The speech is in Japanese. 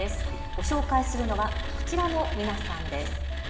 ご紹介するのはこちらの皆さんです。